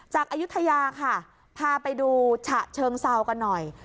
อายุทยาค่ะพาไปดูฉะเชิงเซากันหน่อย